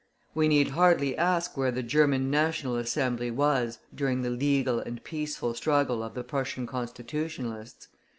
We need hardly ask where the German National Assembly was during the "legal and peaceful" struggle of the Prussian Constitutionalists.